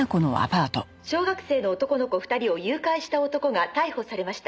「小学生の男の子２人を誘拐した男が逮捕されました」